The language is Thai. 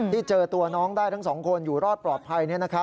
ที่เจอตัวน้องได้ทั้ง๒คนอยู่รอดปลอดภัย